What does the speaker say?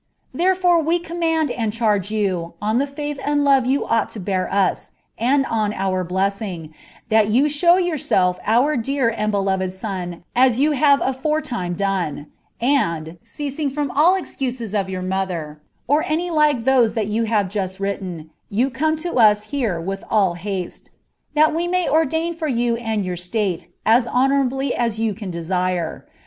Therefore we comm9.«d id chaige you, on the faith and love you ought to bear us, and on our blessing, ml you show yourself our dear and well beloved son as you have aforetime MM, and, ceasing from all excuses of your mother, or any like those that you ive just written, you come to us here with all haste, that we may ordain lOr HI and your state as honourably as you can desire.